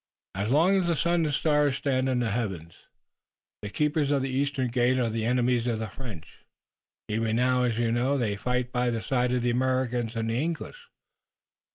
As long as the sun and stars stand in the heavens the Keepers of the Eastern Gate are the enemies of the French. Even now, as you know, they fight by the side of the Americans and the English."